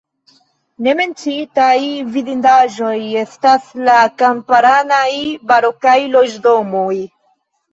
Ne menciitaj vidindaĵoj estas la kamparanaj barokaj loĝdomoj.